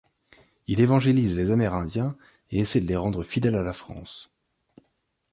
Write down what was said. Il évangélise les Amérindiens et essaie de les rendre fidèles à la France.